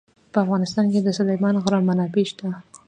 په افغانستان کې د سلیمان غر منابع شته.